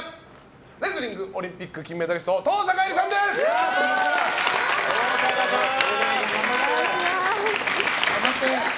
レスリングオリンピック金メダリストお願いします！